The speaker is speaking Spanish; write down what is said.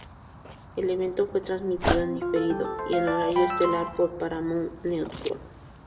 El evento fue transmitido en diferido y en horario estelar por Paramount Network.